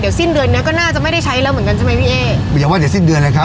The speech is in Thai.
เดี๋ยวสิ้นเดือนเนี้ยก็น่าจะไม่ได้ใช้แล้วเหมือนกันใช่ไหมพี่เอ๊อย่าว่าเดี๋ยวสิ้นเดือนเลยครับ